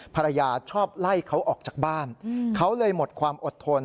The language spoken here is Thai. ภรรยาชอบไล่เขาออกจากบ้านเขาเลยหมดความอดทน